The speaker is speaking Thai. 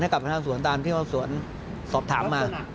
ให้กับประธานสวนตามที่ประธานสวนสอบถามมา